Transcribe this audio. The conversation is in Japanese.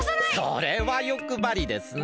それはよくばりですねえ。